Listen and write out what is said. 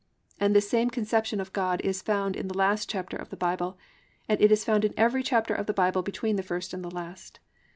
And this same conception of God is found in the last chapter of the Bible, and it is found in every chapter of the Bible between the first and the last.